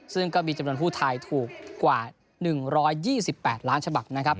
ซึ่งก็มีจำนวนผู้ไทยถูกกว่า๑๒๘ล้านฉบับนะครับ